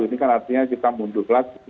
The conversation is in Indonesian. ini kan artinya kita mundur lagi